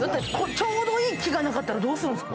ちょうどいい木がなかったらどうするんですか。